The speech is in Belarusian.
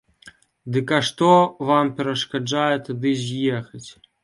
Дык а што вам перашкаджае тады з'ехаць?